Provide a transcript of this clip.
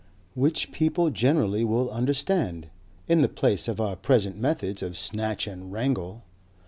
Which people generally will understand in the place of our present methods of snatch and wrangle.